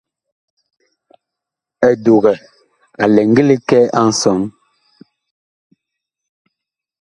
Edukɛ a lɛ ngili kɛ a nsɔn.